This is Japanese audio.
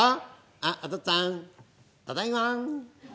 「あっお父っつぁんただいまん」。